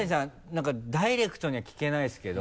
何かダイレクトには聞けないですけど。